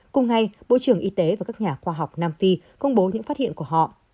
cùng ngày bộ trưởng y tế và các nhà khoa học nam phi công bố những phát hiện của họ